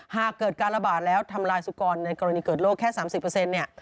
หากเกิดการระบาดแล้วทำลายสุกรในกรณีเกิดโรคแค่๓๐เนี่ย